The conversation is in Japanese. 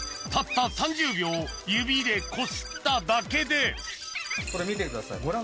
たった３０秒指でこすっただけでこれ見てください